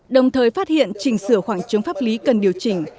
đồng thời phát hiện chỉnh sửa khoảng trống pháp lý cần điều chỉnh